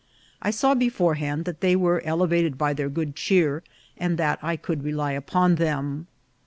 I saw beforehand that they were ele vated by their good cheer, and that I could rely upon them.